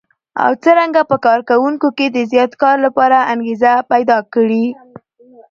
او څرنګه په کار کوونکو کې د زیات کار لپاره انګېزه پيدا کړي.